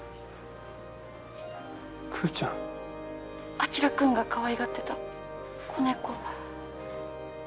晶くんがかわいがってた子猫。